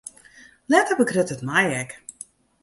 Letter begrutte it my ek.